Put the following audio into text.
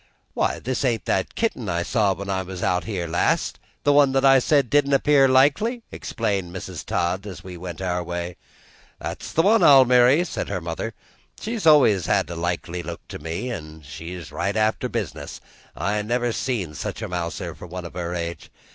"Why, this ain't that kitten I saw when I was out last, the one that I said didn't appear likely?" exclaimed Mrs. Todd as we went our way. "That's the one, Almiry," said her mother. "She always had a likely look to me, an' she's right after business. I never see such a mouser for one of her age.